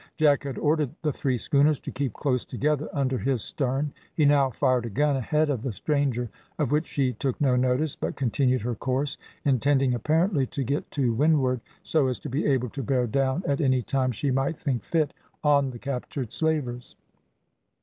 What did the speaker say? Jack had ordered the three schooners to keep close together under his stern. He now fired a gun ahead of the stranger of which she took no notice, but continued her course, intending apparently to get to windward, so as to be able to bear down at any time she might think fit on the captured slavers.